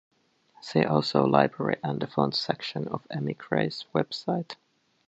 See also library and the fonts section of Emigre's website.